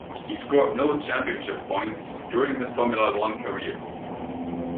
He scored no championship points during his Formula One career.